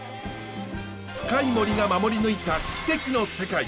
深い森が守り抜いた奇跡の世界。